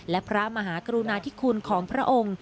และพระมหากรุณาธิคุณของพระองค์